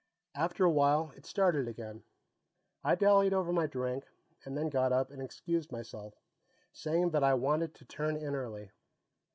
After a while, it started again. I dallied over my drink, and then got up and excused myself, saying that I wanted to turn in early.